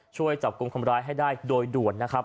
ช่วยจับกลุ่มคนร้ายให้ได้โดยด่วนนะครับ